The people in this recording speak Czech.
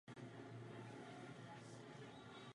Po druhé světové válce došlo k vysídlení Němců.